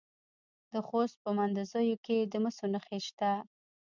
د خوست په مندوزیو کې د مسو نښې شته.